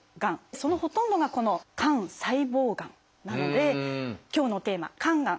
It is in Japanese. そのほとんどがこの「肝細胞がん」なので今日のテーマ「肝がん」